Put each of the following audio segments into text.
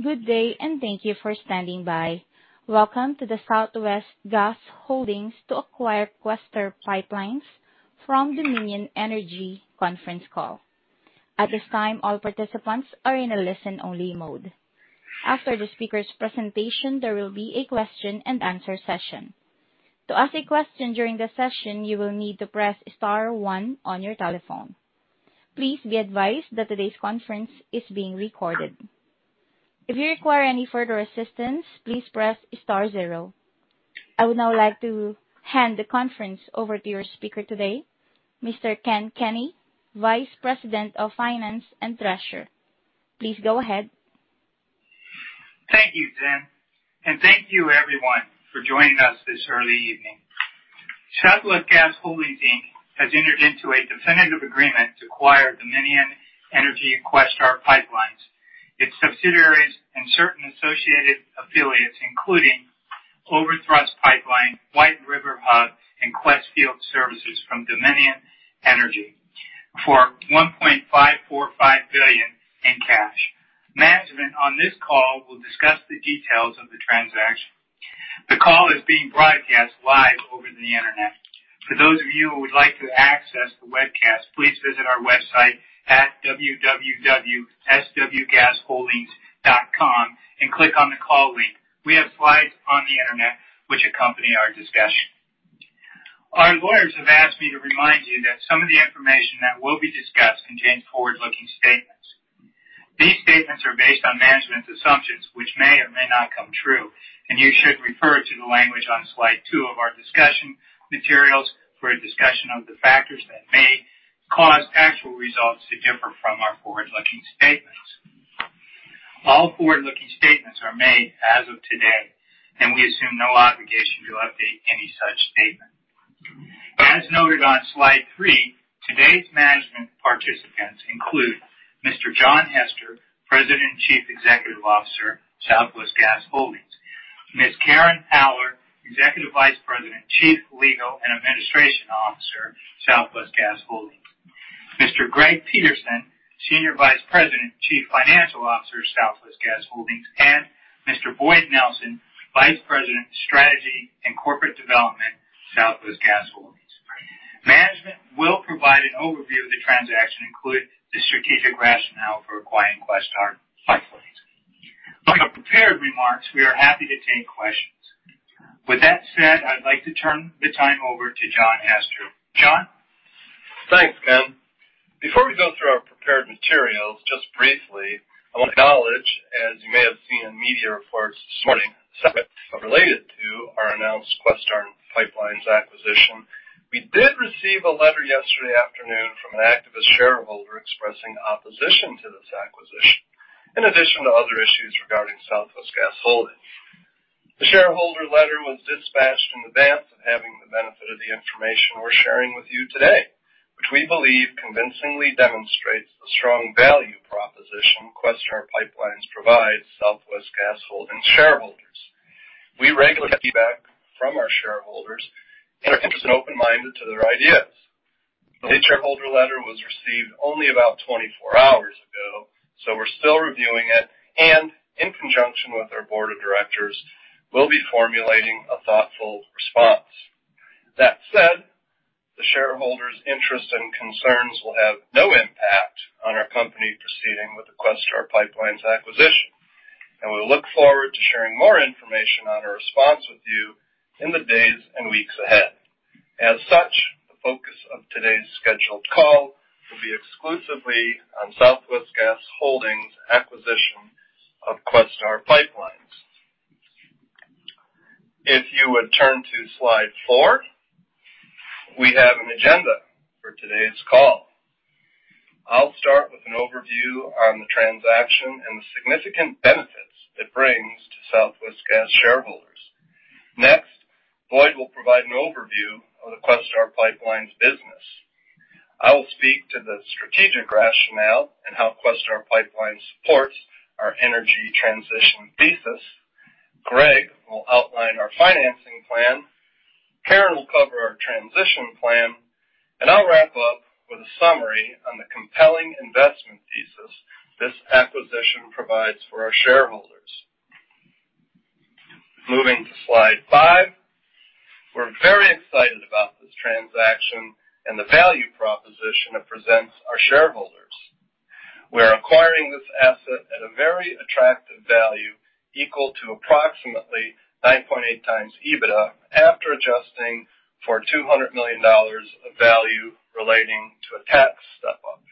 Good day, and thank you for standing by. Welcome to the Southwest Gas Holdings to acquire Questar Pipelines from Dominion Energy conference call. At this time, all participants are in a listen-only mode. After the speaker's presentation, there will be a question-and-answer session. To ask a question during the session, you will need to press star one on your telephone. Please be advised that today's conference is being recorded. If you require any further assistance, please press star zero. I would now like to hand the conference over to your speaker today, Mr. Ken Kenny, Vice President of Finance and Treasurer. Please go ahead. Thank you, Jen, and thank you, everyone, for joining us this early evening. Southwest Gas Holdings has entered into a definitive agreement to acquire Dominion Energy and Questar Pipelines, its subsidiaries, and certain associated affiliates, including Overthrust Pipeline, White River Hub, and Questar Field Services from Dominion Energy, for $1.545 billion in cash. Management on this call will discuss the details of the transaction. The call is being broadcast live over the internet. For those of you who would like to access the webcast, please visit our website at www.swgasholdings.com and click on the call link. We have slides on the internet which accompany our discussion. Our lawyers have asked me to remind you that some of the information that will be discussed contains forward-looking statements. These statements are based on management's assumptions, which may or may not come true, and you should refer to the language on slide two of our discussion materials for a discussion of the factors that may cause actual results to differ from our forward-looking statements. All forward-looking statements are made as of today, and we assume no obligation to update any such statement. As noted on slide three, today's management participants include Mr. John Hester, President and Chief Executive Officer, Southwest Gas Holdings; Ms. Karen Haller, Executive Vice President, Chief Legal and Administration Officer, Southwest Gas Holdings; Mr. Greg Peterson, Senior Vice President, Chief Financial Officer, Southwest Gas Holdings; and Mr. Boyd Nelson, Vice President, Strategy and Corporate Development, Southwest Gas Holdings. Management will provide an overview of the transaction and include the strategic rationale for acquiring Questar Pipelines. Like our prepared remarks, we are happy to take questions. With that said, I'd like to turn the time over to John Hester. John? Thanks, Ken. Before we go through our prepared materials, just briefly, I want to acknowledge, as you may have seen in media reports this morning, some of it related to our announced Questar Pipelines acquisition. We did receive a letter yesterday afternoon from an activist shareholder expressing opposition to this acquisition, in addition to other issues regarding Southwest Gas Holdings. The shareholder letter was dispatched in advance of having the benefit of the information we're sharing with you today, which we believe convincingly demonstrates the strong value proposition Questar Pipelines provides Southwest Gas Holdings shareholders. We regularly get feedback from our shareholders and are interested and open-minded to their ideas. The shareholder letter was received only about 24 hours ago, so we're still reviewing it, and in conjunction with our board of directors, we'll be formulating a thoughtful response. That said, the shareholders' interests and concerns will have no impact on our company proceeding with the Questar Pipelines acquisition, and we'll look forward to sharing more information on our response with you in the days and weeks ahead. As such, the focus of today's scheduled call will be exclusively on Southwest Gas Holdings' acquisition of Questar Pipelines. If you would turn to slide four, we have an agenda for today's call. I'll start with an overview on the transaction and the significant benefits it brings to Southwest Gas shareholders. Next, Boyd will provide an overview of the Questar Pipelines business. I will speak to the strategic rationale and how Questar Pipelines supports our energy transition thesis. Greg will outline our financing plan. Karen will cover our transition plan, and I'll wrap up with a summary on the compelling investment thesis this acquisition provides for our shareholders. Moving to slide five, we're very excited about this transaction and the value proposition it presents our shareholders. We're acquiring this asset at a very attractive value equal to approximately 9.8 times EBITDA after adjusting for $200 million of value relating to a tax step-up.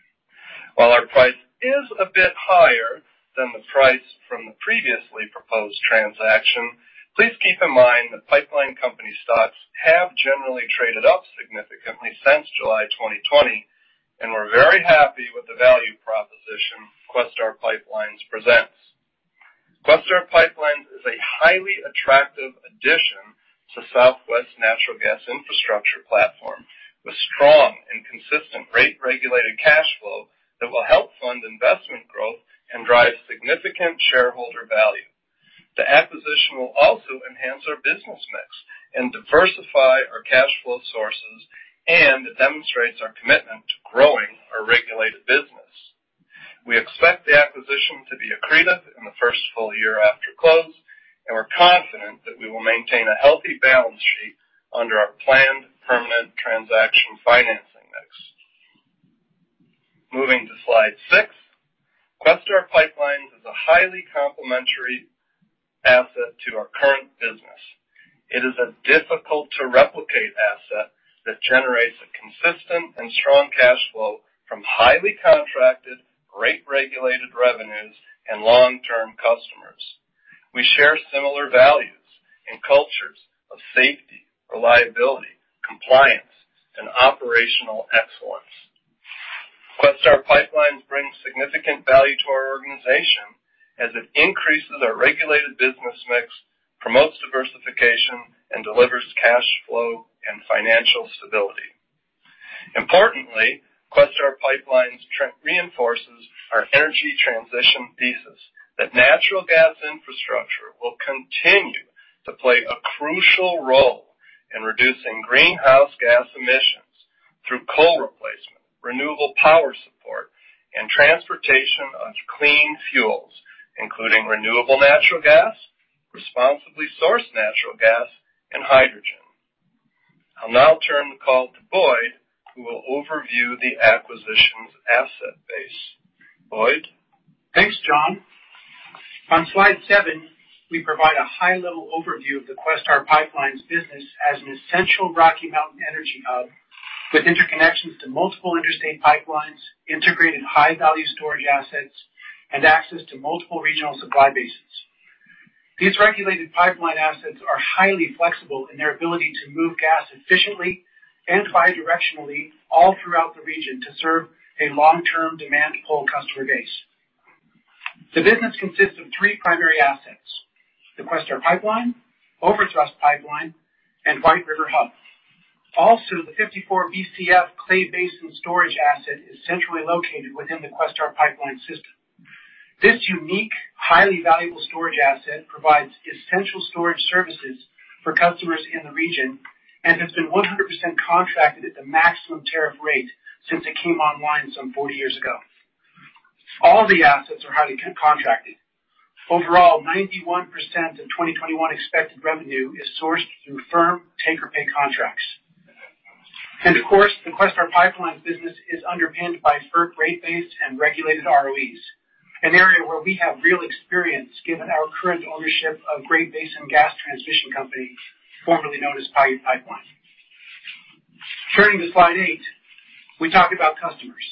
While our price is a bit higher than the price from the previously proposed transaction, please keep in mind that pipeline company stocks have generally traded up significantly since July 2020, and we're very happy with the value proposition Questar Pipelines presents. Questar Pipelines is a highly attractive addition to Southwest's natural gas infrastructure platform with strong and consistent rate-regulated cash flow that will help fund investment growth and drive significant shareholder value. The acquisition will also enhance our business mix and diversify our cash flow sources, and it demonstrates our commitment to growing our regulated business. We expect the acquisition to be accretive in the first full year after close, and we're confident that we will maintain a healthy balance sheet under our planned permanent transaction financing mix. Moving to slide six, Questar Pipelines is a highly complementary asset to our current business. It is a difficult-to-replicate asset that generates a consistent and strong cash flow from highly contracted, rate-regulated revenues and long-term customers. We share similar values and cultures of safety, reliability, compliance, and operational excellence. Questar Pipelines brings significant value to our organization as it increases our regulated business mix, promotes diversification, and delivers cash flow and financial stability. Importantly, Questar Pipelines reinforces our energy transition thesis that natural gas infrastructure will continue to play a crucial role in reducing greenhouse gas emissions through coal replacement, renewable power support, and transportation of clean fuels, including renewable natural gas, responsibly sourced natural gas, and hydrogen. I'll now turn the call to Boyd, who will overview the acquisition's asset base. Boyd? Thanks, John. On slide seven, we provide a high-level overview of the Questar Pipelines business as an essential Rocky Mountain energy hub with interconnections to multiple interstate pipelines, integrated high-value storage assets, and access to multiple regional supply bases. These regulated pipeline assets are highly flexible in their ability to move gas efficiently and bidirectionally all throughout the region to serve a long-term demand pool customer base. The business consists of three primary assets: the Questar Pipeline, Overthrust Pipeline, and White River Hub. Also, the 54 BCF Clay Basin storage asset is centrally located within the Questar Pipeline system. This unique, highly valuable storage asset provides essential storage services for customers in the region and has been 100% contracted at the maximum tariff rate since it came online some 40 years ago. All the assets are highly contracted. Overall, 91% of 2021 expected revenue is sourced through firm take-or-pay contracts. Of course, the Questar Pipelines business is underpinned by FERC rate-based and regulated ROEs, an area where we have real experience given our current ownership of Great Basin Gas Transmission Company, formerly known as Paiute Pipeline. Turning to slide eight, we talk about customers.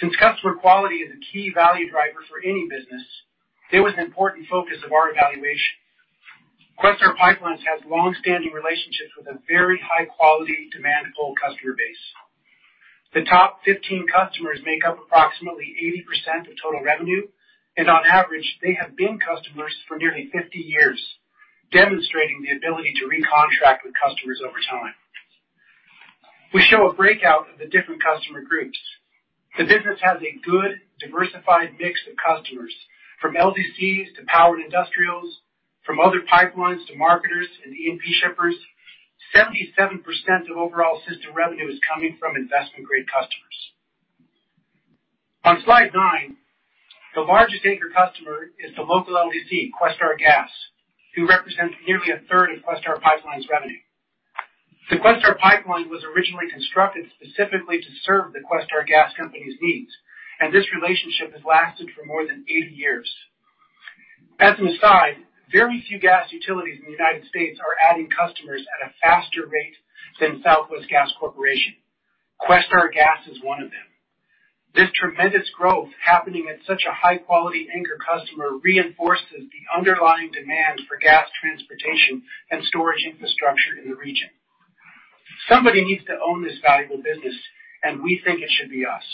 Since customer quality is a key value driver for any business, it was an important focus of our evaluation. Questar Pipelines has long-standing relationships with a very high-quality demand pool customer base. The top 15 customers make up approximately 80% of total revenue, and on average, they have been customers for nearly 50 years, demonstrating the ability to recontract with customers over time. We show a breakout of the different customer groups. The business has a good, diversified mix of customers, from LDCs to power industrials, from other pipelines to marketers and E&P shippers. 77% of overall system revenue is coming from investment-grade customers. On slide nine, the largest anchor customer is the local LDC, Questar Gas, who represents nearly a third of Questar Pipelines' revenue. The Questar Pipeline was originally constructed specifically to serve the Questar Gas Company's needs, and this relationship has lasted for more than 80 years. As an aside, very few gas utilities in the United States are adding customers at a faster rate than Southwest Gas Corporation. Questar Gas is one of them. This tremendous growth happening at such a high-quality anchor customer reinforces the underlying demand for gas transportation and storage infrastructure in the region. Somebody needs to own this valuable business, and we think it should be us.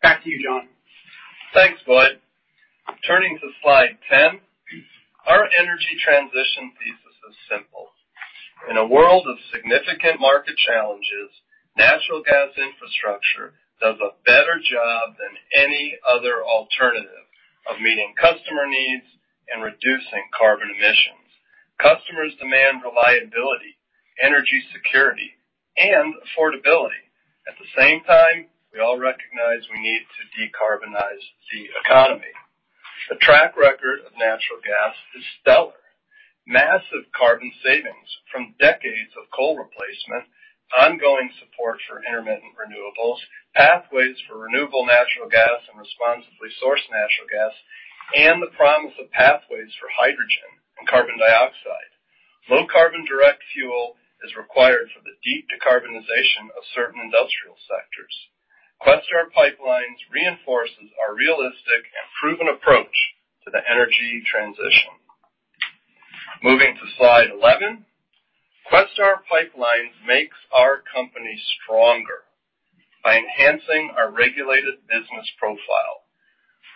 Back to you, John. Thanks, Boyd. Turning to slide ten, our energy transition thesis is simple. In a world of significant market challenges, natural gas infrastructure does a better job than any other alternative of meeting customer needs and reducing carbon emissions. Customers demand reliability, energy security, and affordability. At the same time, we all recognize we need to decarbonize the economy. The track record of natural gas is stellar. Massive carbon savings from decades of coal replacement, ongoing support for intermittent renewables, pathways for renewable natural gas and responsibly sourced natural gas, and the promise of pathways for hydrogen and carbon dioxide. Low-carbon direct fuel is required for the deep decarbonization of certain industrial sectors. Questar Pipelines reinforces our realistic and proven approach to the energy transition. Moving to slide 11, Questar Pipelines makes our company stronger by enhancing our regulated business profile.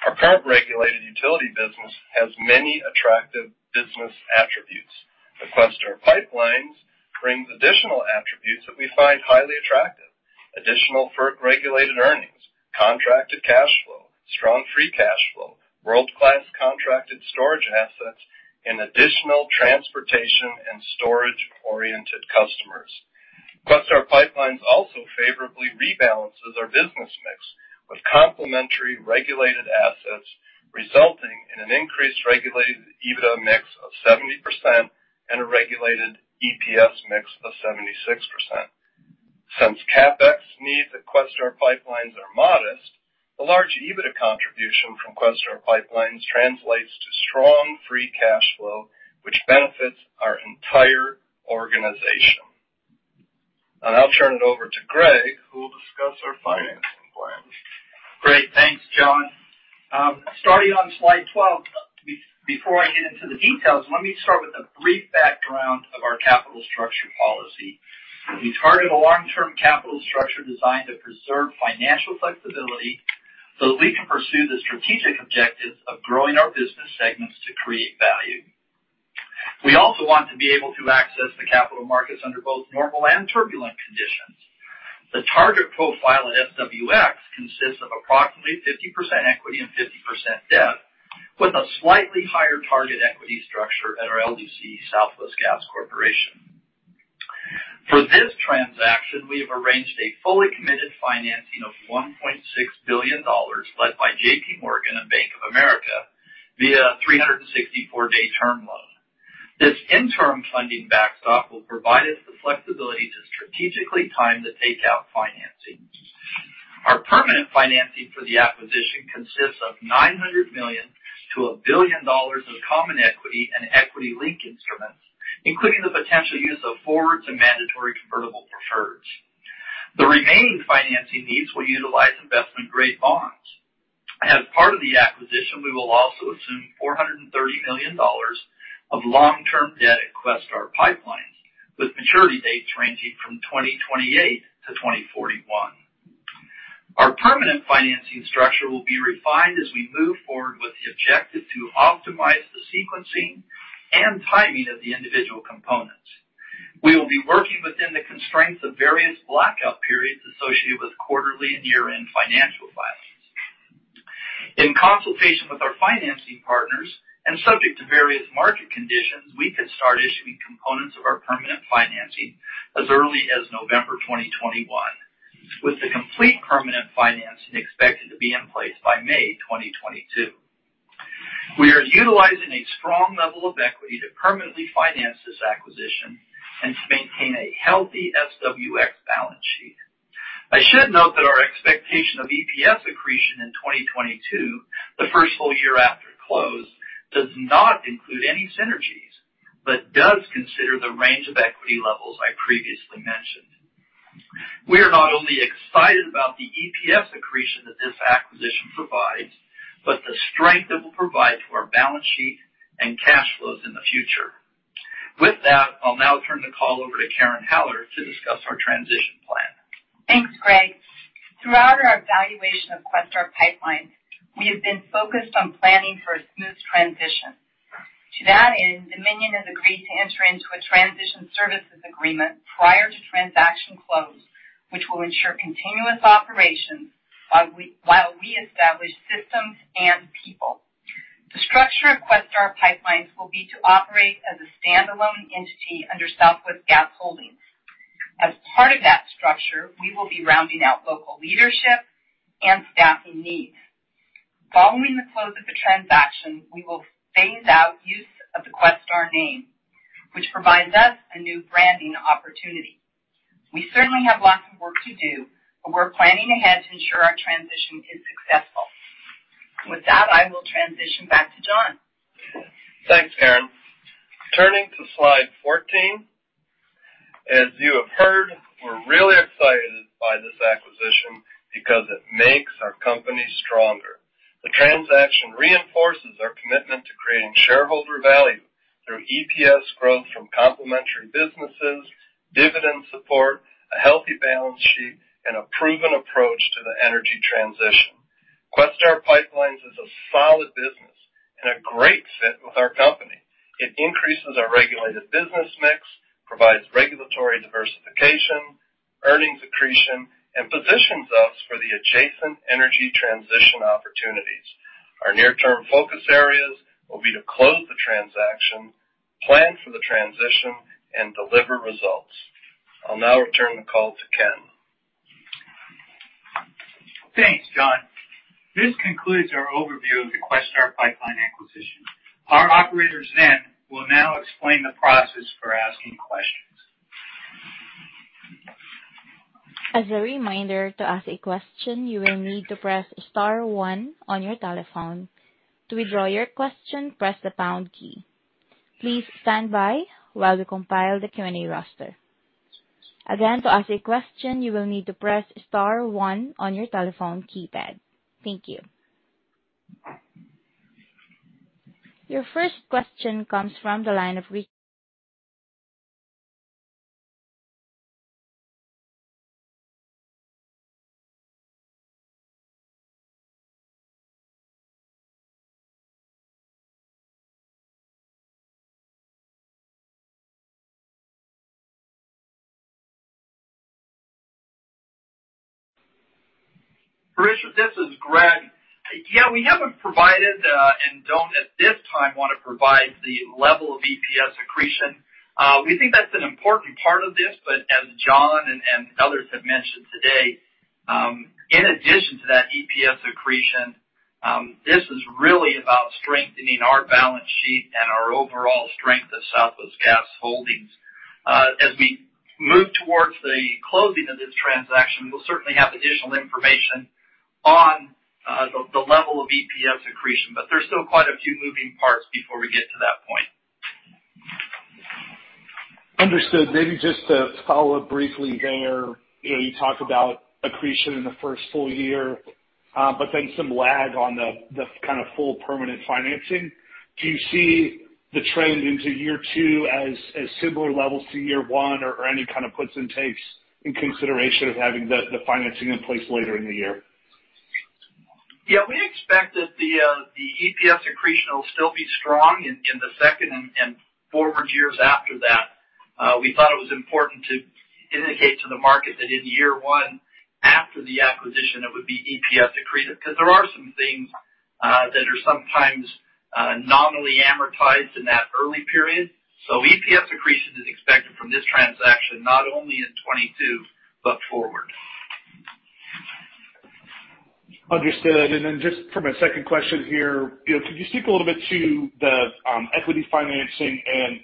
Our current regulated utility business has many attractive business attributes. The Questar Pipelines brings additional attributes that we find highly attractive: additional FERC-regulated earnings, contracted cash flow, strong free cash flow, world-class contracted storage assets, and additional transportation and storage-oriented customers. Questar Pipelines also favorably rebalances our business mix with complementary regulated assets, resulting in an increased regulated EBITDA mix of 70% and a regulated EPS mix of 76%. Since CapEx needs at Questar Pipelines are modest, the large EBITDA contribution from Questar Pipelines translates to strong free cash flow, which benefits our entire organization. I'll turn it over to Greg, who will discuss our financing plan. Great. Thanks, John. Starting on slide 12, before I get into the details, let me start with a brief background of our capital structure policy. We target a long-term capital structure designed to preserve financial flexibility so that we can pursue the strategic objectives of growing our business segments to create value. We also want to be able to access the capital markets under both normal and turbulent conditions. The target profile at SWX consists of approximately 50% equity and 50% debt, with a slightly higher target equity structure at our LDC, Southwest Gas Corporation. For this transaction, we have arranged a fully committed financing of $1.6 billion, led by JP Morgan and Bank of America, via a 364-day term loan. This interim funding backstop will provide us the flexibility to strategically time the takeout financing. Our permanent financing for the acquisition consists of $900 million-$1 billion of common equity and equity-linked instruments, including the potential use of forwards and mandatory convertible preferreds. The remaining financing needs will utilize investment-grade bonds. As part of the acquisition, we will also assume $430 million of long-term debt at Questar Pipelines, with maturity dates ranging from 2028 to 2041. Our permanent financing structure will be refined as we move forward with the objective to optimize the sequencing and timing of the individual components. We will be working within the constraints of various blackout periods associated with quarterly and year-end financial filings. In consultation with our financing partners and subject to various market conditions, we could start issuing components of our permanent financing as early as November 2021, with the complete permanent financing expected to be in place by May 2022. We are utilizing a strong level of equity to permanently finance this acquisition and to maintain a healthy SWX balance sheet. I should note that our expectation of EPS accretion in 2022, the first full year after close, does not include any synergies but does consider the range of equity levels I previously mentioned. We are not only excited about the EPS accretion that this acquisition provides, but the strength it will provide to our balance sheet and cash flows in the future. With that, I'll now turn the call over to Karen Haller to discuss our transition plan. Thanks, Greg. Throughout our evaluation of Questar Pipelines, we have been focused on planning for a smooth transition. To that end, Dominion has agreed to enter into a transition services agreement prior to transaction close, which will ensure continuous operations while we establish systems and people. The structure of Questar Pipelines will be to operate as a standalone entity under Southwest Gas Holdings. As part of that structure, we will be rounding out local leadership and staffing needs. Following the close of the transaction, we will phase out use of the Questar name, which provides us a new branding opportunity. We certainly have lots of work to do, but we're planning ahead to ensure our transition is successful. With that, I will transition back to John. Thanks, Karen. Turning to slide 14, as you have heard, we're really excited by this acquisition because it makes our company stronger. The transaction reinforces our commitment to creating shareholder value through EPS growth from complementary businesses, dividend support, a healthy balance sheet, and a proven approach to the energy transition. Questar Pipelines is a solid business and a great fit with our company. It increases our regulated business mix, provides regulatory diversification, earnings accretion, and positions us for the adjacent energy transition opportunities. Our near-term focus areas will be to close the transaction, plan for the transition, and deliver results. I'll now return the call to Ken. Thanks, John. This concludes our overview of the Questar Pipeline acquisition. Our operators will now explain the process for asking questions. As a reminder, to ask a question, you will need to press star one on your telephone. To withdraw your question, press the pound key. Please stand by while we compile the Q&A roster. Again, to ask a question, you will need to press star one on your telephone keypad. Thank you. Your first question comes from the line of Richard Richard, this is Greg. Yeah, we haven't provided and don't at this time want to provide the level of EPS accretion. We think that's an important part of this, but as John and others have mentioned today, in addition to that EPS accretion, this is really about strengthening our balance sheet and our overall strength of Southwest Gas Holdings. As we move towards the closing of this transaction, we'll certainly have additional information on the level of EPS accretion, but there's still quite a few moving parts before we get to that point. Understood. Maybe just to follow up briefly there, you talked about accretion in the first full year, but then some lag on the kind of full permanent financing. Do you see the trend into year two as similar levels to year one or any kind of puts and takes in consideration of having the financing in place later in the year? Yeah, we expect that the EPS accretion will still be strong in the second and forward years after that. We thought it was important to indicate to the market that in year one after the acquisition, it would be EPS accretive because there are some things that are sometimes nominally amortized in that early period. EPS accretion is expected from this transaction, not only in 2022, but forward. Understood. And then just from a second question here, could you speak a little bit to the equity financing and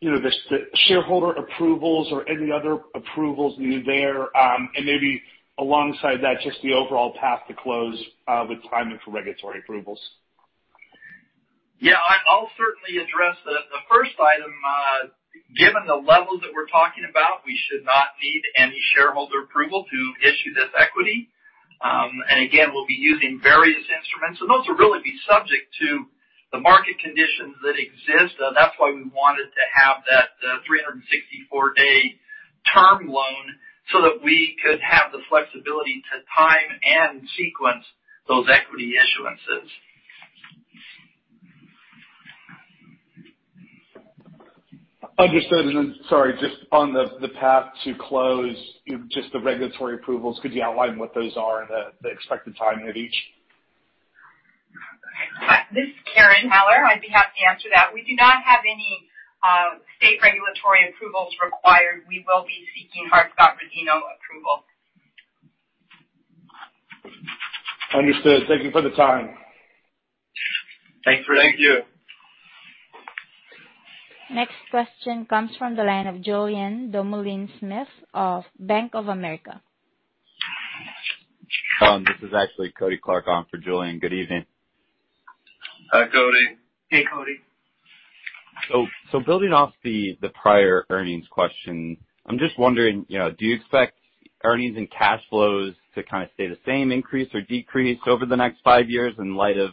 the shareholder approvals or any other approvals needed there? And maybe alongside that, just the overall path to close with timing for regulatory approvals. Yeah, I'll certainly address the first item. Given the levels that we're talking about, we should not need any shareholder approval to issue this equity. Again, we'll be using various instruments, and those will really be subject to the market conditions that exist. That is why we wanted to have that 364-day term loan so that we could have the flexibility to time and sequence those equity issuances. Understood. Sorry, just on the path to close, just the regulatory approvals, could you outline what those are and the expected timing of each? This is Karen Haller. I'd be happy to answer that. We do not have any state regulatory approvals required. We will be seeking Hart-Scott-Rodino approval. Understood. Thank you for the time. Thank you, Richard. Next question comes from the line of Julien Dumoulin-Smith of Bank of America This is actually Cody Clark on for Julian. Good evening. Hi, Cody. Hey, Cody. Building off the prior earnings question, I'm just wondering, do you expect earnings and cash flows to kind of stay the same, increase or decrease over the next five years in light of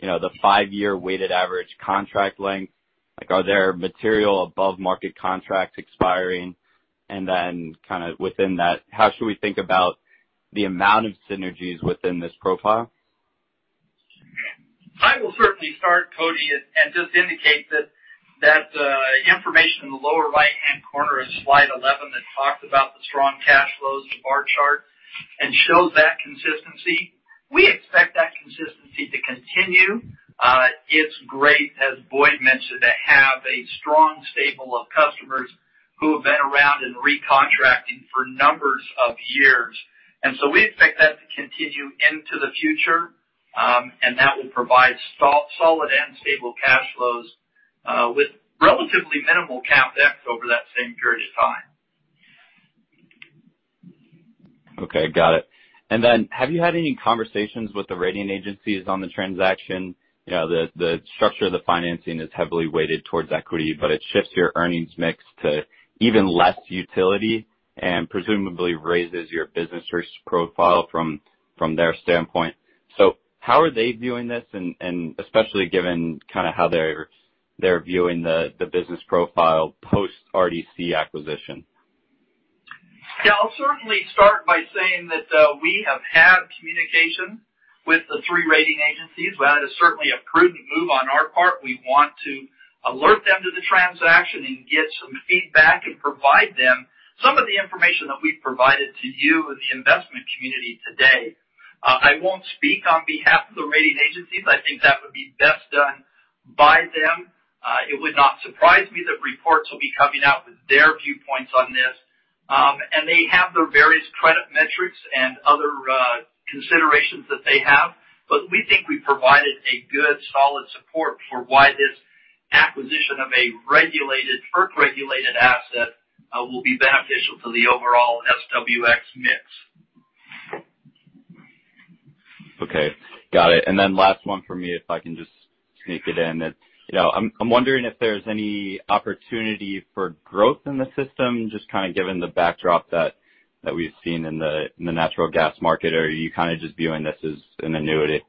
the five-year weighted average contract length? Are there material above-market contracts expiring? And then kind of within that, how should we think about the amount of synergies within this profile? I will certainly start, Cody, and just indicate that the information in the lower right-hand corner is slide 11 that talks about the strong cash flows and bar chart and shows that consistency. We expect that consistency to continue. It's great, as Boyd mentioned, to have a strong stable of customers who have been around and recontracting for numbers of years. We expect that to continue into the future, and that will provide solid and stable cash flows with relatively minimal CapEx over that same period of time. Okay, got it. Have you had any conversations with the rating agencies on the transaction? The structure of the financing is heavily weighted towards equity, but it shifts your earnings mix to even less utility and presumably raises your business risk profile from their standpoint. How are they viewing this, especially given kind of how they're viewing the business profile post-Riggs-Distler acquisition? Yeah, I'll certainly start by saying that we have had communication with the three rating agencies. That is certainly a prudent move on our part. We want to alert them to the transaction and get some feedback and provide them some of the information that we've provided to you and the investment community today. I won't speak on behalf of the rating agencies. I think that would be best done by them. It would not surprise me that reports will be coming out with their viewpoints on this. They have their various credit metrics and other considerations that they have, but we think we provided a good solid support for why this acquisition of a regulated, FERC-regulated asset will be beneficial to the overall SWX mix. Okay, got it. Last one for me, if I can just sneak it in, that I'm wondering if there's any opportunity for growth in the system, just kind of given the backdrop that we've seen in the natural gas market, or are you kind of just viewing this as an annuity?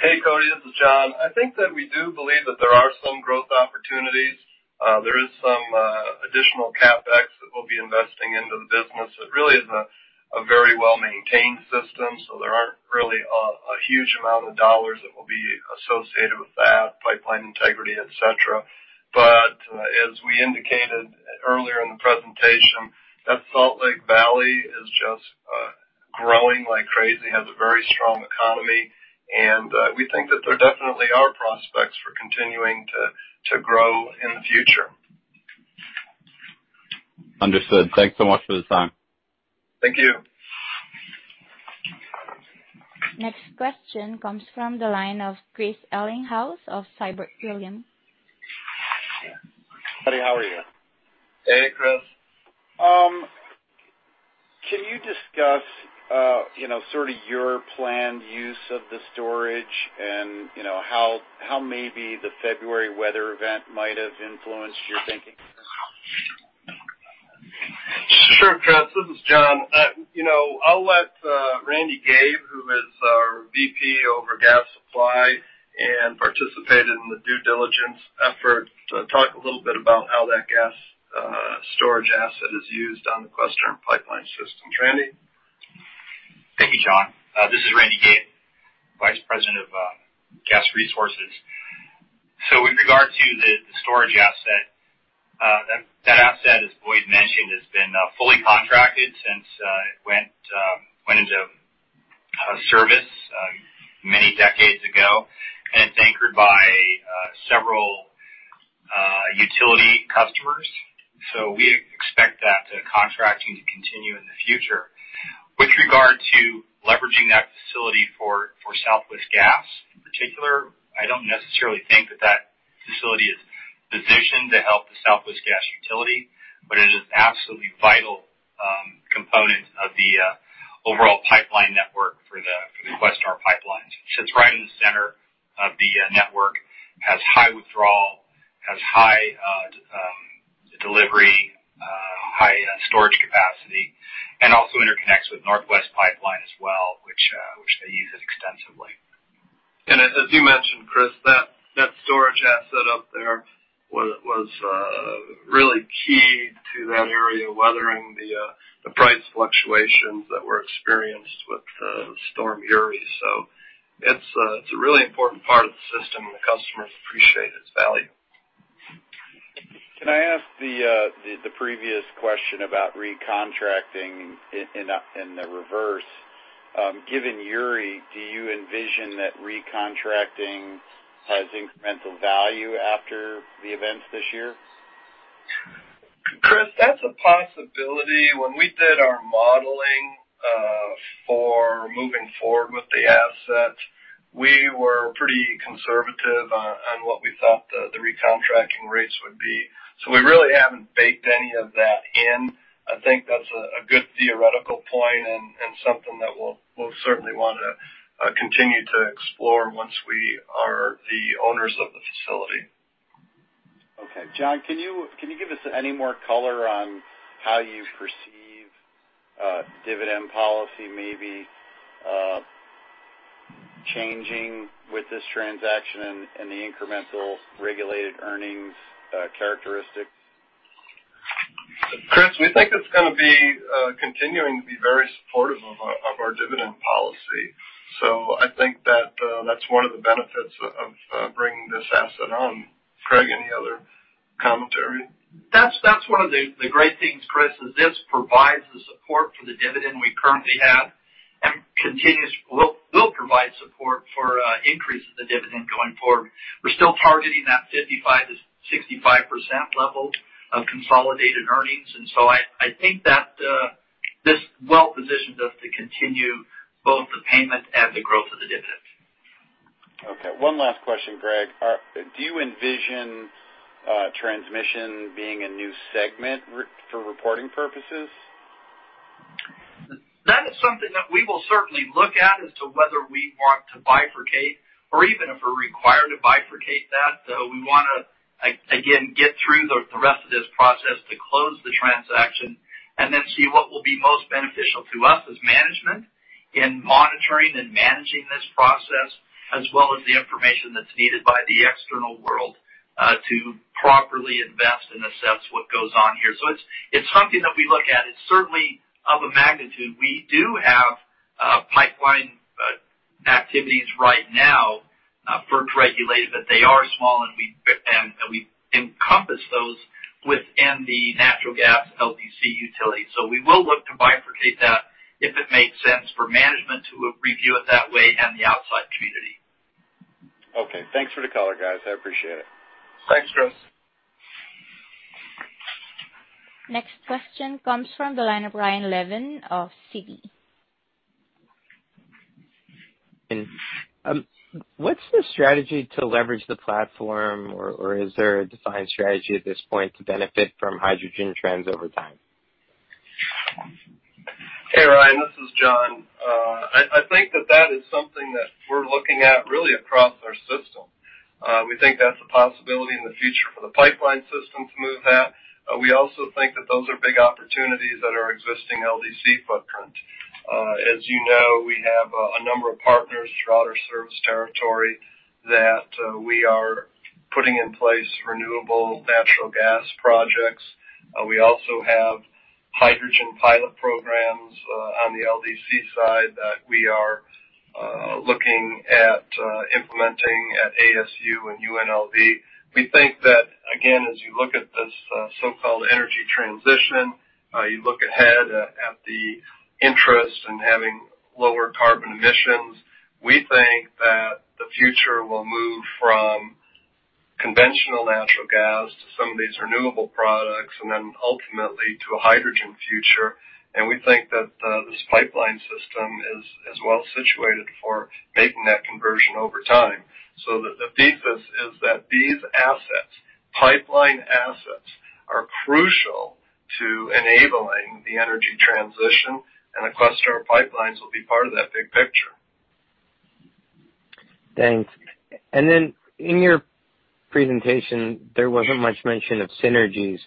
Hey, Cody, this is John. I think that we do believe that there are some growth opportunities. There is some additional CapEx that we'll be investing into the business. It really is a very well-maintained system, so there aren't really a huge amount of dollars that will be associated with that, pipeline integrity, etc. As we indicated earlier in the presentation, that Salt Lake Valley is just growing like crazy, has a very strong economy, and we think that there definitely are prospects for continuing to grow in the future. Understood. Thanks so much for the time. Thank you. Next question comes from the line of Christopher Ellinghaus of Siebert Williams. How are you? Hey, Chris. Can you discuss sort of your planned use of the storage and how maybe the February weather event might have influenced your thinking? Sure, Chris. This is John. I'll let Randy Gabe, who is our VP over gas supply and participated in the due diligence effort, talk a little bit about how that gas storage asset is used on the Questar Pipeline system. Randy? Thank you, John. This is Randy Gabe, Vice President of Gas Resources. With regard to the storage asset, that asset, as Boyd mentioned, has been fully contracted since it went into service many decades ago, and it is anchored by several utility customers. We expect that contracting to continue in the future. With regard to leveraging that facility for Southwest Gas in particular, I do not necessarily think that facility is positioned to help the Southwest Gas utility, but it is an absolutely vital component of the overall pipeline network for the Questar Pipelines. It sits right in the center of the network, has high withdrawal, has high delivery, high storage capacity, and also interconnects with Northwest Pipeline as well, which they use extensively. As you mentioned, Chris, that storage asset up there was really key to that area weathering the price fluctuations that were experienced with the storm Uri. It is a really important part of the system, and the customers appreciate its value. Can I ask the previous question about recontracting in the reverse? Given Uri, do you envision that recontracting has incremental value after the events this year? Chris, that's a possibility. When we did our modeling for moving forward with the asset, we were pretty conservative on what we thought the recontracting rates would be. We really haven't baked any of that in. I think that's a good theoretical point and something that we'll certainly want to continue to explore once we are the owners of the facility. Okay. John, can you give us any more color on how you perceive dividend policy maybe changing with this transaction and the incremental regulated earnings characteristics? Chris, we think it's going to be continuing to be very supportive of our dividend policy. I think that that's one of the benefits of bringing this asset on. Greg, any other commentary? That's one of the great things, Chris, is this provides the support for the dividend we currently have and will provide support for increases in dividend going forward. We're still targeting that 55-65% level of consolidated earnings. I think that this well-positioned us to continue both the payment and the growth of the dividend. Okay. One last question, Greg. Do you envision transmission being a new segment for reporting purposes? That is something that we will certainly look at as to whether we want to bifurcate or even if we're required to bifurcate that. We want to, again, get through the rest of this process to close the transaction and then see what will be most beneficial to us as management in monitoring and managing this process, as well as the information that's needed by the external world to properly invest and assess what goes on here. It is something that we look at. It is certainly of a magnitude. We do have pipeline activities right now, FERC-regulated, but they are small, and we encompass those within the natural gas LDC utility. We will look to bifurcate that if it makes sense for management to review it that way and the outside community. Okay. Thanks for the call, guys. I appreciate it. Thanks, Chris. Next question comes from the line of Ryan Levine of Citi. What's the strategy to leverage the platform, or is there a defined strategy at this point to benefit from hydrogen trends over time? Hey, Ryan. This is John. I think that that is something that we're looking at really across our system. We think that's a possibility in the future for the pipeline system to move that. We also think that those are big opportunities at our existing LDC footprint. As you know, we have a number of partners throughout our service territory that we are putting in place renewable natural gas projects. We also have hydrogen pilot programs on the LDC side that we are looking at implementing at Arizona State University and University of Nevada, Las Vegas. We think that, again, as you look at this so-called energy transition, you look ahead at the interest in having lower carbon emissions, we think that the future will move from conventional natural gas to some of these renewable products and then ultimately to a hydrogen future. We think that this pipeline system is well situated for making that conversion over time. The thesis is that these assets, pipeline assets, are crucial to enabling the energy transition, and the Questar Pipelines will be part of that big picture. Thanks. In your presentation, there wasn't much mention of synergies.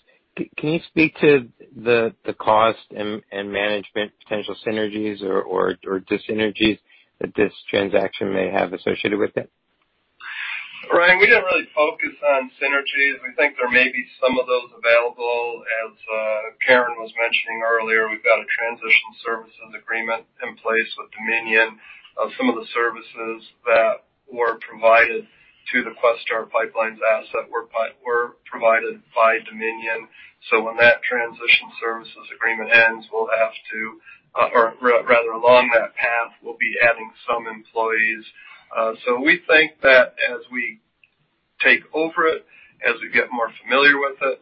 Can you speak to the cost and management potential synergies or dissynergies that this transaction may have associated with it? Ryan, we did not really focus on synergies. We think there may be some of those available. As Karen was mentioning earlier, we have a transition services agreement in place with Dominion. Some of the services that were provided to the Questar Pipelines asset were provided by Dominion. When that transition services agreement ends, we will have to, or rather, along that path, we will be adding some employees. We think that as we take over it, as we get more familiar with it,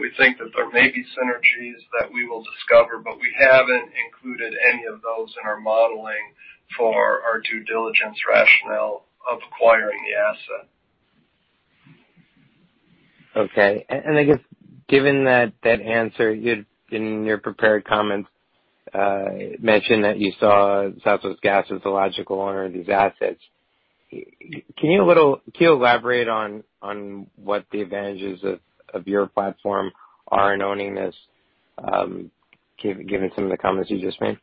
we think that there may be synergies that we will discover, but we have not included any of those in our modeling for our due diligence rationale of acquiring the asset. Okay. I guess given that answer, you had in your prepared comments mentioned that you saw Southwest Gas as the logical owner of these assets. Can you elaborate on what the advantages of your platform are in owning this, given some of the comments you just made?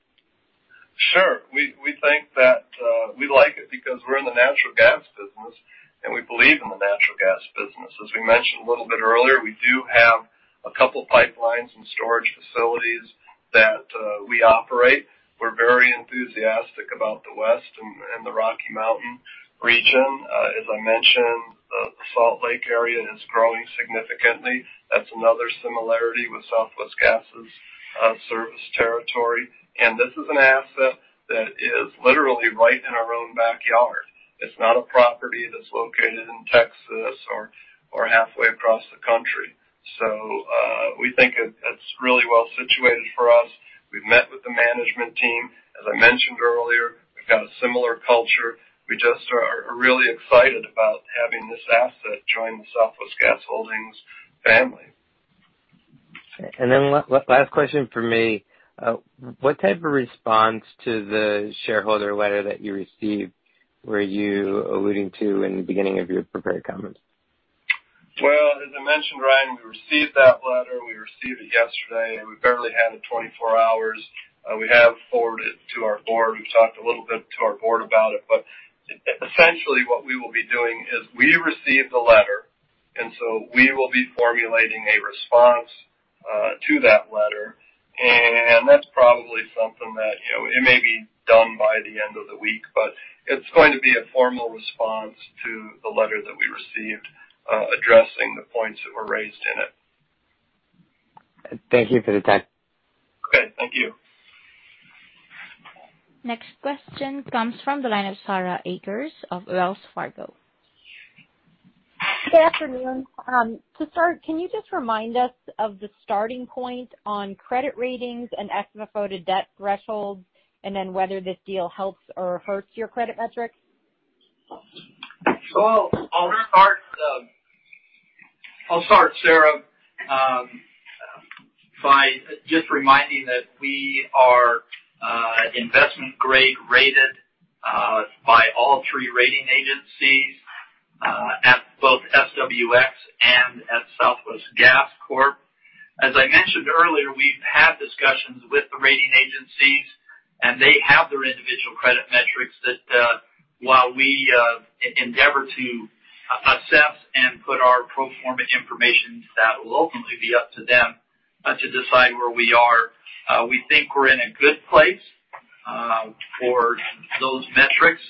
Sure. We think that we like it because we're in the natural gas business, and we believe in the natural gas business. As we mentioned a little bit earlier, we do have a couple of pipelines and storage facilities that we operate. We're very enthusiastic about the west and the Rocky Mountain region. As I mentioned, the Salt Lake area is growing significantly. That's another similarity with Southwest Gas's service territory. This is an asset that is literally right in our own backyard. It's not a property that's located in Texas or halfway across the country. We think it's really well situated for us. We've met with the management team. As I mentioned earlier, we've got a similar culture. We just are really excited about having this asset join the Southwest Gas Holdings family. Last question for me. What type of response to the shareholder letter that you received were you alluding to in the beginning of your prepared comments? As I mentioned, Ryan, we received that letter. We received it yesterday. We barely had 24 hours. We have forwarded it to our board. We've talked a little bit to our board about it. Essentially, what we will be doing is we received the letter, and we will be formulating a response to that letter. That's probably something that may be done by the end of the week, but it's going to be a formal response to the letter that we received addressing the points that were raised in it. Thank you for the time. Okay. Thank you. Next question comes from the line of Sarah Akers of Wells Fargo. Good afternoon. To start, can you just remind us of the starting point on credit ratings and SFO to debt thresholds and then whether this deal helps or hurts your credit metrics? I'll start, Sarah, by just reminding that we are investment-grade rated by all three rating agencies at both SWX and at Southwest Gas Corp. As I mentioned earlier, we've had discussions with the rating agencies, and they have their individual credit metrics that while we endeavor to assess and put our pro forma information that will ultimately be up to them to decide where we are. We think we're in a good place for those metrics,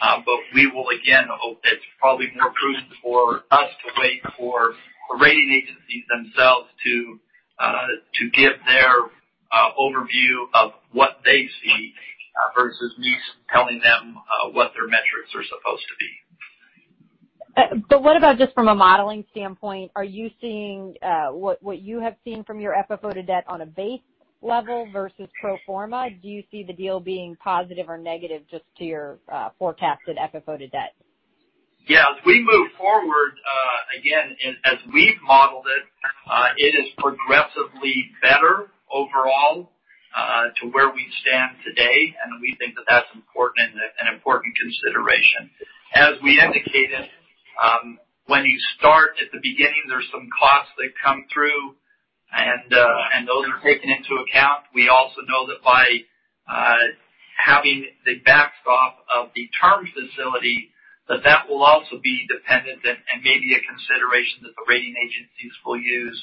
but we will, again, it's probably more prudent for us to wait for the rating agencies themselves to give their overview of what they see versus me telling them what their metrics are supposed to be. What about just from a modeling standpoint? Are you seeing what you have seen from your FFO to debt on a base level versus pro forma? Do you see the deal being positive or negative just to your forecasted FFO to debt? Yeah. As we move forward, again, as we've modeled it, it is progressively better overall to where we stand today, and we think that that's important and an important consideration. As we indicated, when you start at the beginning, there's some costs that come through, and those are taken into account. We also know that by having the backstop of the term facility, that that will also be dependent and may be a consideration that the rating agencies will use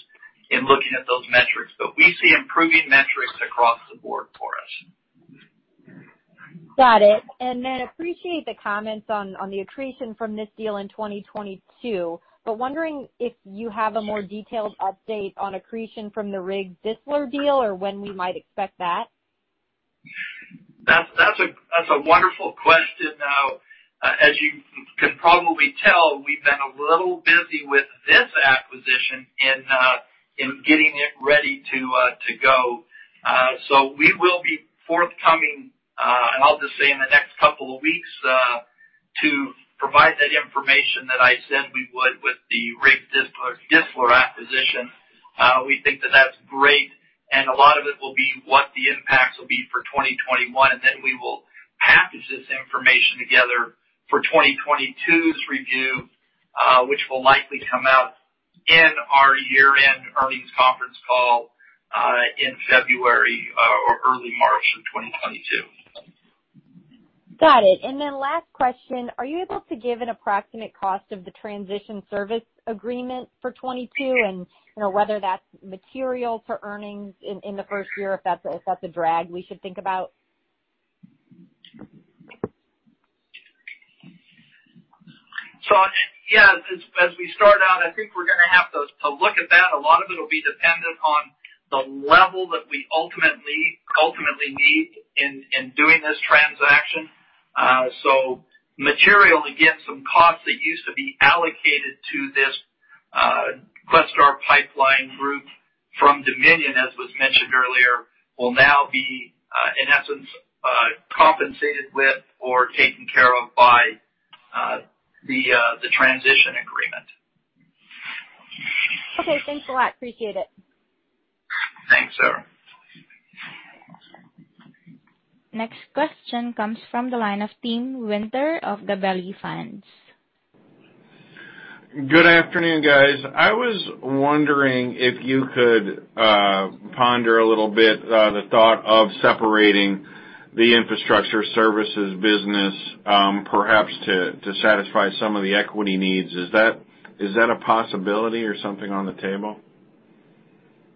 in looking at those metrics. We see improving metrics across the board for us. Got it. I appreciate the comments on the accretion from this deal in 2022, but wondering if you have a more detailed update on accretion from the Riggs-Distler deal or when we might expect that. That's a wonderful question. Now, as you can probably tell, we've been a little busy with this acquisition in getting it ready to go. We will be forthcoming, and I'll just say in the next couple of weeks, to provide that information that I said we would with the Riggs-Distler acquisition. We think that that's great, and a lot of it will be what the impacts will be for 2021. We will package this information together for 2022's review, which will likely come out in our year-end earnings conference call in February or early March of 2022. Got it. Last question, are you able to give an approximate cost of the transition service agreement for 2022 and whether that's material to earnings in the first year if that's a drag we should think about? Yeah, as we start out, I think we're going to have to look at that. A lot of it will be dependent on the level that we ultimately need in doing this transaction. Material, again, some costs that used to be allocated to this Questar Pipeline Group from Dominion, as was mentioned earlier, will now be, in essence, compensated with or taken care of by the transition agreement. Okay. Thanks a lot. Appreciate it. Thanks, Sarah. Next question comes from the line of Tim Winter of Gabelli Funds. Good afternoon, guys. I was wondering if you could ponder a little bit the thought of separating the infrastructure services business, perhaps to satisfy some of the equity needs. Is that a possibility or something on the table?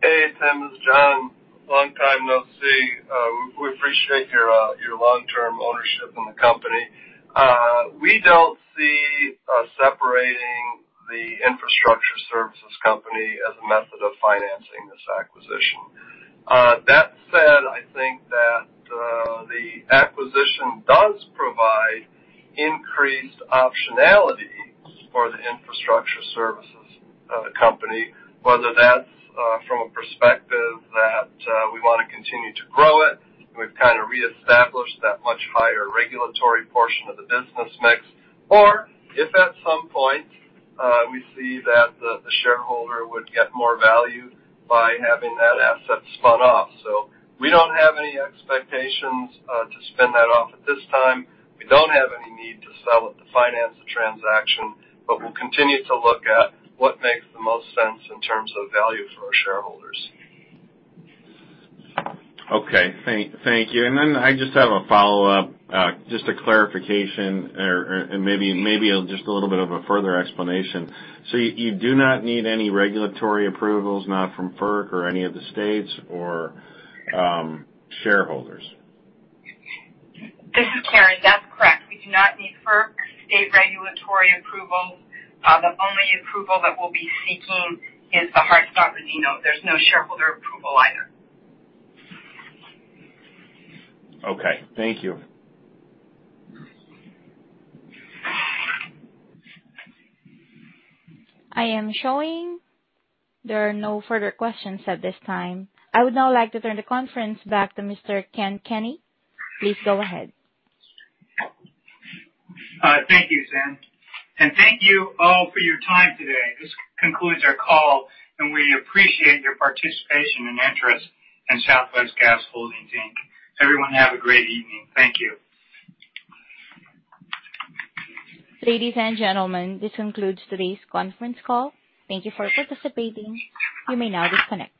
Hey, Tim, this is John. Long time no see. We appreciate your long-term ownership in the company. We do not see separating the infrastructure services company as a method of financing this acquisition. That said, I think that the acquisition does provide increased optionality for the infrastructure services company, whether that is from a perspective that we want to continue to grow it, and we have kind of reestablished that much higher regulatory portion of the business mix, or if at some point we see that the shareholder would get more value by having that asset spun off. We do not have any expectations to spin that off at this time. We do not have any need to sell it to finance the transaction, but we will continue to look at what makes the most sense in terms of value for our shareholders. Okay. Thank you. I just have a follow-up, just a clarification and maybe just a little bit of a further explanation. You do not need any regulatory approvals, not from FERC or any of the states or shareholders? This is Karen. That's correct. We do not need FERC state regulatory approvals. The only approval that we'll be seeking is the Hart-Scott-Rodino. There's no shareholder approval either. Okay. Thank you. I am showing there are no further questions at this time. I would now like to turn the conference back to Mr. Ken Kenny. Please go ahead. Thank you, Sam. Thank you all for your time today. This concludes our call, and we appreciate your participation and interest in Southwest Gas Holdings. Everyone have a great evening. Thank you. Ladies and gentlemen, this concludes today's conference call. Thank you for participating. You may now disconnect.